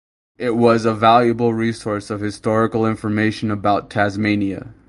It was a valuable resource of historical information about Tasmania.